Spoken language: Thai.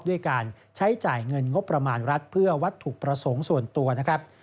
ด้วยการใช้จ่ายเงินงบประมาณรัฐเพื่อวัตถุประสงค์ส่วนตัวนะครับ